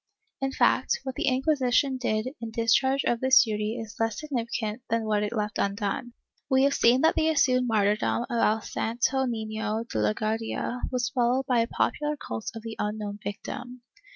^ In fact, what the Inquisition did in discharge of this duty is less significant than what it left undone. We have seen (Vol. I, p. 134) that the assumed martyrdom of El Santo Nino de la Guardia was followed by a popular cult of the unknown victim.